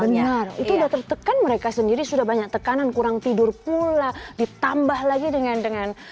benar itu udah tertekan mereka sendiri sudah banyak tekanan kurang tidur pula ditambah lagi dengan dengan